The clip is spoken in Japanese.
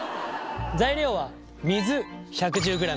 材料は水１１０ｇ。